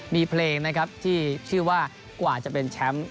มีเพลงนะครับที่ชื่อว่ากว่าจะเป็นแชมป์